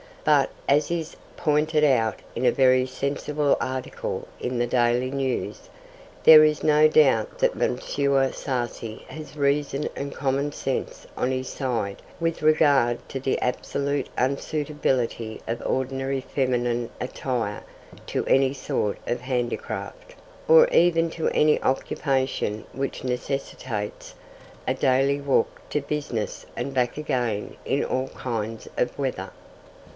But, as is pointed out in a very sensible article in the Daily News, there is no doubt that M. Sarcey has reason and common sense on his side with regard to the absolute unsuitability of ordinary feminine attire to any sort of handicraft, or even to any occupation which necessitates a daily walk to business and back again in all kinds of weather.